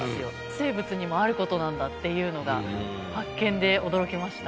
生物にもあることなんだっていうのが発見で驚きました。